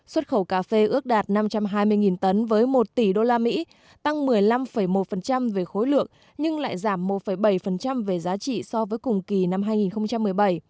xuất khẩu cà phê ước đạt năm trăm hai mươi tấn với một tỷ usd tăng một mươi năm một về khối lượng nhưng lại giảm một bảy về giá trị so với cùng kỳ năm hai nghìn một mươi bảy